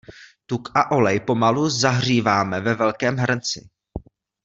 Tuk a olej pomalu zahříváme ve velkém hrnci.